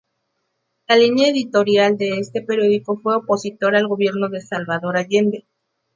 La línea editorial de este periódico fue opositora al gobierno de Salvador Allende.